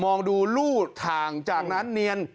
องดูรูทางจากนั้นเนียน